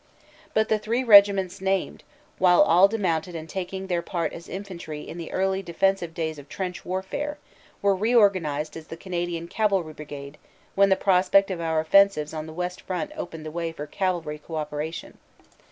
But the three regiments named, while all demounted and taking their part as infantry in the early defensive days of trench warfare, were reorganized as the Canadian Cavalry Brigade when the prospect of our offensives on the west front opened the way for cavalry co operation.